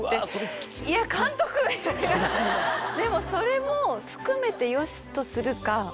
みたいなでもそれも含めてよしとするか。